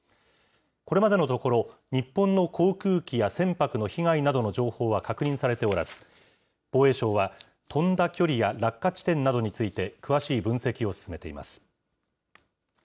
これまでのところ、日本の航空機や船舶の被害などの情報は確認されておらず、防衛省は、飛んだ距離や落下地点などについて、詳しい分析を進めています。